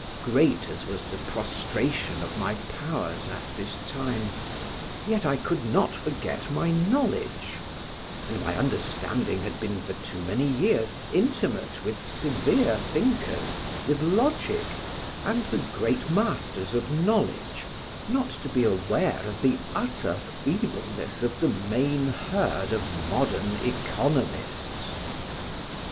Great as was the prostration of my powers at this time, yet I could not forget my knowledge; and my understanding had been for too many years intimate with severe thinkers, with logic, and the great masters of knowledge, not to be aware of the utter feebleness of the main herd of modern economists.